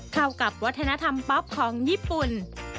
เข้ากับวัฒนธรรมป๊อปของญี่ปุ่น